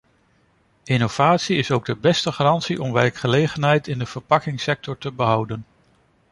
Innovatie is ook de beste garantie om werkgelegenheid in de verpakkingssector te behouden.